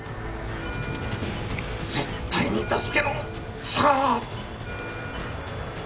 絶対に助けろ相良！